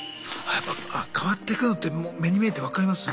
あやっぱ変わってくのって目に見えて分かります？